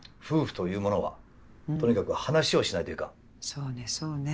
夫婦というものはとにかく話をしないといかん。